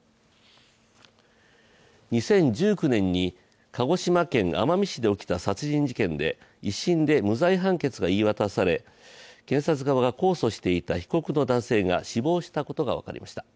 ２０１９年に鹿児島県奄美市で起きた殺人事件で１審で無罪判決が言い渡され検察側が控訴していた被告の男性が死亡したことが分かりました。